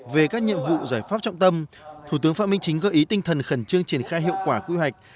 về các nhiệm vụ giải pháp trọng tâm thủ tướng phạm minh chính gợi ý tinh thần khẩn trương triển khai hiệu quả quy hoạch